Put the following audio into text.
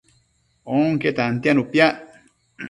Onque tantianu piac